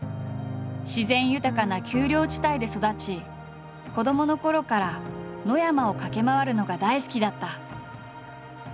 自然豊かな丘陵地帯で育ち子どものころから野山を駆け回るのが大好きだった。